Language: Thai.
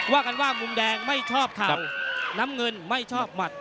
ว่ากันว่ามุมแดงไม่ชอบเข่าน้ำเงินไม่ชอบหมัด